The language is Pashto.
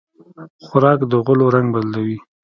خوراک د غولو رنګ بدلوي.